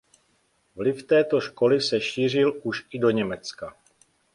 Vliv této školy se šířil už i do Německa.